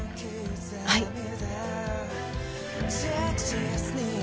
はい。